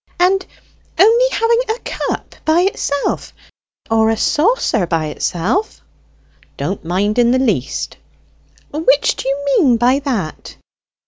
" And only having a cup by itself? or a saucer by itself?" "Don't mind in the least." "Which do you mean by that?"